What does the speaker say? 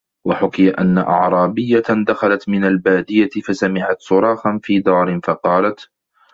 وَحُكِيَ أَنَّ أَعْرَابِيَّةً دَخَلَتْ مِنْ الْبَادِيَةِ فَسَمِعَتْ صُرَاخًا فِي دَارٍ فَقَالَتْ